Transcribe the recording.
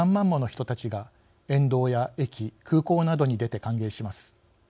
人たちが沿道や駅、空港などに出て歓迎します。